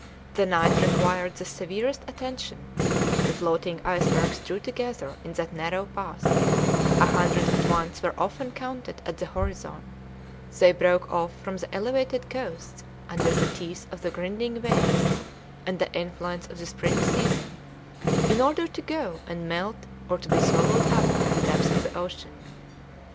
The night required the severest attention; the floating icebergs drew together in that narrow pass; a hundred at once were often counted on the horizon; they broke off from the elevated coasts under the teeth of the grinding waves and the influence of the spring season, in order to go and melt or to be swallowed up in the depths of the ocean.